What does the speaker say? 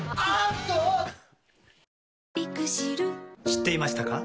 知っていましたか？